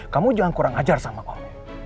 kamu jangan kurang ajar sama kamu